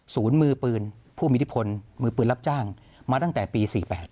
ศูนย์มือปืนผู้มีอิทธิพลมือปืนรับจ้างมาตั้งแต่ปี๔๘